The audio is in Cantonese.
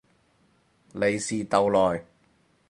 利是逗來